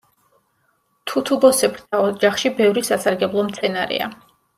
თუთუბოსებრთა ოჯახში ბევრი სასარგებლო მცენარეა.